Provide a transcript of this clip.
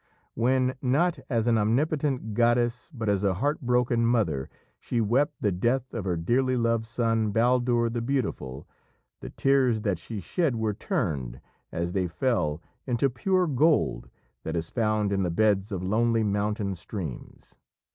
When, not as an omnipotent goddess but as a heart broken mother, she wept the death of her dearly loved son, Baldur the Beautiful, the tears that she shed were turned, as they fell, into pure gold that is found in the beds of lonely mountain streams.